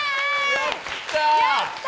やったー！